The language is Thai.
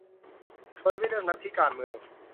โดยไม่เลือกลัทธิการเมือง